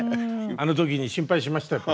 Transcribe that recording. あの時に心配しましたよ